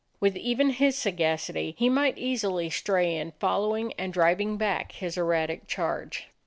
With even his sagacity, he might easily stray in following and driving back his erratic charge.